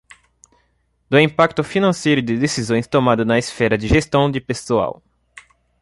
do impacto financeiro de decisões tomadas na esfera de gestão de pessoal.